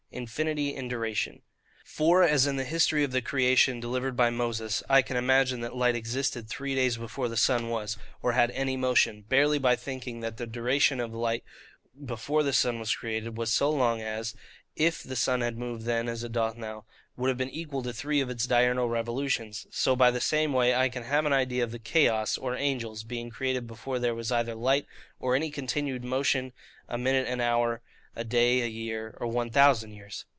Infinity in Duration. For, as in the history of the creation delivered by Moses, I can imagine that light existed three days before the sun was, or had any motion, barely by thinking that the duration of light before the sun was created was so long as (IF the sun had moved then as it doth now) would have been equal to three of his diurnal revolutions; so by the same way I can have an idea of the chaos, or angels, being created before there was either light or any continued motion, a minute, an hour, a day, a year, or one thousand years.